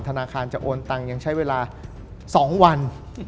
ธนาคารจะโอนตังค์ยังใช้เวลา๒วัน